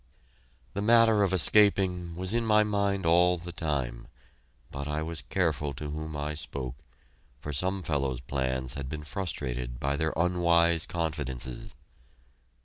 The matter of escaping was in my mind all the time, but I was careful to whom I spoke, for some fellows' plans had been frustrated by their unwise confidences.